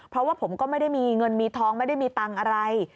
เพราะว่าผมก็ไม่ได้มีเงินมีทองไม่ได้มีตังค์อะไร